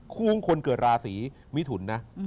คู่ของคนเกิดราศีมิถุนนะ